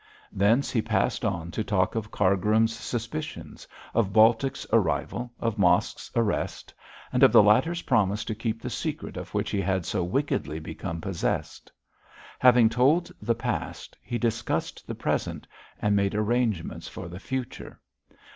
Thence he passed on to talk of Cargrim's suspicions, of Baltic's arrival, of Mosk's arrest, and of the latter's promise to keep the secret of which he had so wickedly become possessed. Having told the past, he discussed the present, and made arrangements for the future.